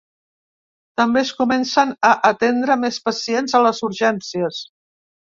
També es comencen a atendre més pacients a les urgències.